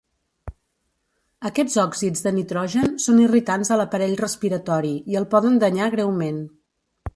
Aquests òxids de nitrogen són irritants a l'aparell respiratori i el poden danyar greument.